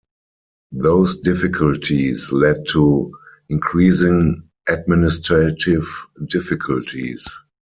Those difficulties led to increasing administrative difficulties.